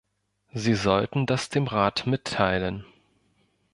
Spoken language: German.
Sie sollten das dem Rat mitteilen.